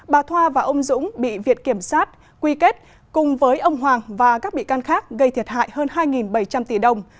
bà thoa và ông dũng bị viện kiểm sát quy kết cùng với ông hoàng và các bị can khác gây thiệt hại hơn hai bảy trăm linh tỷ đồng